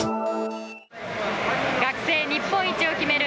学生日本一を決める